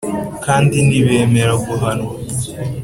Kandi ntibemera guhanwa